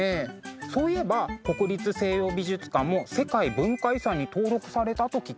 そういえば国立西洋美術館も世界文化遺産に登録されたと聞きました。